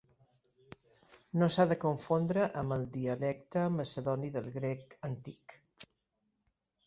No s'ha de confondre amb el dialecte macedoni del grec antic.